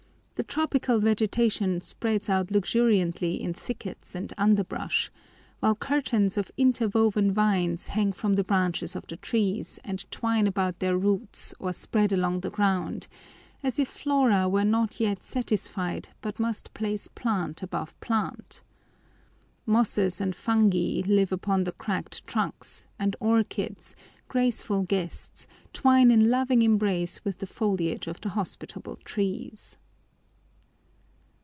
The tropical vegetation spreads out luxuriantly in thickets and underbrush, while curtains of interwoven vines hang from the branches of the trees and twine about their roots or spread along the ground, as if Flora were not yet satisfied but must place plant above plant. Mosses and fungi live upon the cracked trunks, and orchids graceful guests twine in loving embrace with the foliage of the hospitable trees.